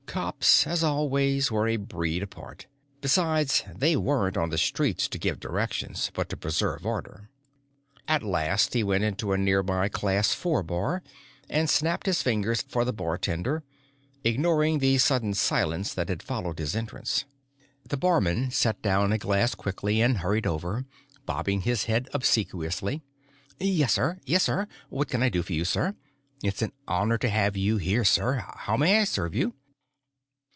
Cops, as always, were a breed apart. Besides, they weren't on the streets to give directions, but to preserve order. At last, he went into a nearby Class Four bar and snapped his fingers for the bartender, ignoring the sudden silence that had followed his entrance. The barman set down a glass quickly and hurried over, bobbing his head obsequiously. "Yes, sir; yes, sir. What can I do for you, sir? It's an honor to have you here, sir. How may I serve you?"